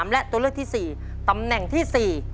และตัวเลือกที่๔ตำแหน่งที่๔